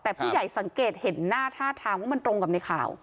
แต่ผู้ใหญ่สังเกตเห็นหน้าท่าทางว่ามันตรงกับในข่าว